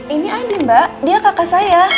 ini aneh mbak dia kakak saya